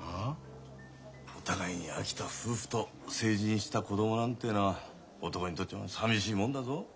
あ？お互いに飽きた夫婦と成人した子供なんてのは男にとっちゃさみしいもんだぞ。